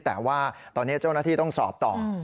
แต่ว่าตอนนี้เจ้าหน้าที่ต้องสอบต่อ